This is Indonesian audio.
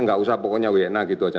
nggak usah pokoknya wna gitu aja